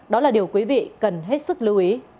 đó là điều quý vị cần hết sức lưu ý